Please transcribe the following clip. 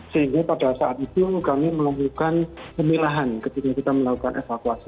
sehingga pada saat itu kami melakukan pemilahan ketika kita melakukan evakuasi